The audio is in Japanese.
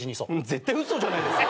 絶対嘘じゃないですか。